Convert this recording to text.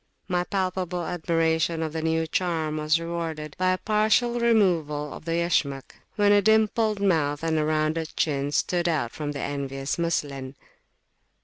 My palpable admiration of the new charm was rewarded by a partial removal of the Yashmak, when a dimpled mouth and a rounded chin stood out from the envious muslin.